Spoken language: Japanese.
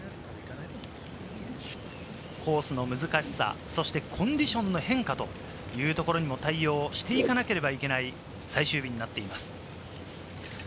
コースの難しさ、そしてコンディションの変化というところにも対応していかなければいけない最終日になっています。